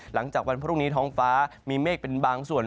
หลังจากวันพรุ่งนี้ท้องฟ้ามีเมฆเป็นบางส่วน